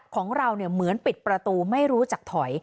ของเราเหมือนปิดประตูไม่รู้จักถอย